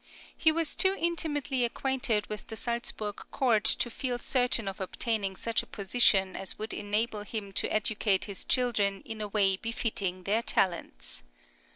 He was too intimately acquainted with the Salzburg court to feel certain of obtaining such a position as would enable him to educate his children in a way befitting their talents.